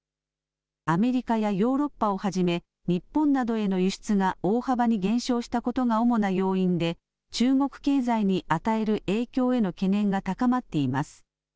アメリカやヨーロッパをはじめ、日本などへの輸出が大幅に減少したことが主な要因で、中国経済に与える影響への懸念が高まっています。